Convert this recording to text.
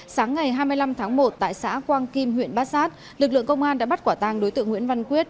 sáng ngày hai mươi năm tháng một tại xã quang kim huyện bát sát lực lượng công an đã bắt quả tang đối tượng nguyễn văn quyết